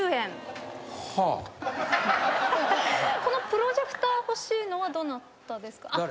このプロジェクター欲しいのはどなたですか？